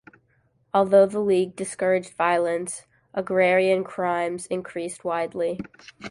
Although the League discouraged violence, agrarian crimes increased widely.